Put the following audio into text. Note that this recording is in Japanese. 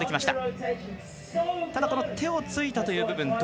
ただ、手をついたという部分。